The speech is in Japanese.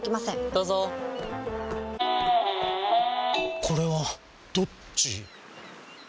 どうぞこれはどっち？